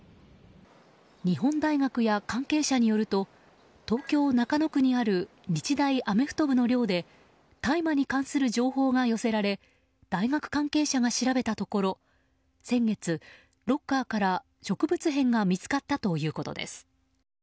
日本大学や関係者によると東京・中野区にある日大アメフト部の寮で大麻に関する情報が寄せられ大学関係者が調べたところ先月、ロッカーから植物片が見つかったということです。